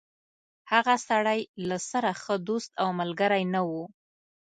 هغه سړی له سره ښه دوست او ملګری نه و.